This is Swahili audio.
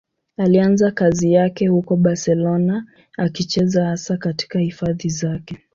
Alianza kazi yake huko Barcelona, akicheza hasa katika hifadhi zake.